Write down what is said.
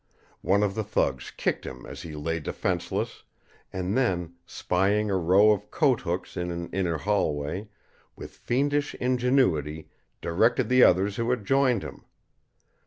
One of the thugs kicked him as he lay defenseless, and then, spying a row of coat hooks in an inner hallway, with fiendish ingenuity directed the others who had joined him.